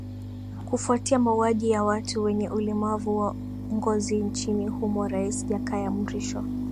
kufuatia mauaji ya watu wenye ulemavu wa ngozi nchini humo rais jakaya mrisho